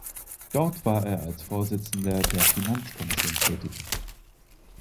Dort war er als Vorsitzender der Finanzkommission tätig.